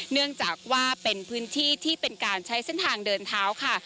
เนื่องจากว่าเป็นพื้นที่ที่เป็นการใช้เส้นทางเดินเท้าค่ะ